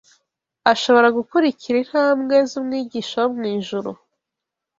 Ashobora gukurikira intambwe z’Umwigisha wo mu ijuru